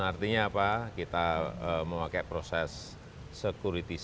artinya kita memakai proses sekuritisasi